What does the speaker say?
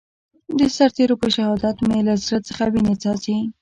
د سرتېرو په شهادت مې له زړه څخه وينې څاڅي.